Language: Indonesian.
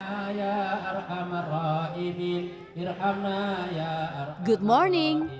ya arhamar ra'ibin irhamna ya arhamar ra'ibin